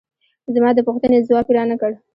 زما د پوښتنې ځواب یې را نه کړ.